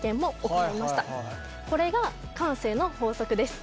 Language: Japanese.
これが慣性の法則です。